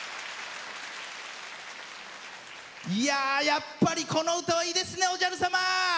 やっぱりこの歌はいいですね、おじゃる様！